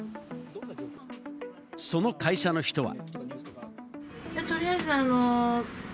その会社の人は。